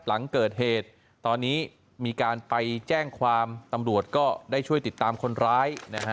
หลังเกิดเหตุตอนนี้มีการไปแจ้งความตำรวจก็ได้ช่วยติดตามคนร้ายนะฮะ